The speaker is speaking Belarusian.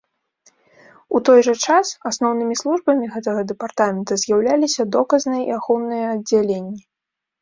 У той жа час, асноўнымі службамі гэтага дэпартамента з'яўляліся доказнай і ахоўныя аддзяленні.